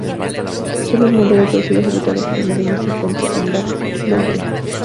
Sólo un modelo reducido ejecutado por un alumno se encuentra en el Louvre.